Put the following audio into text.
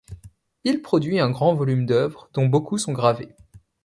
Il produit un grand volume d'œuvres, dont beaucoup sont gravés.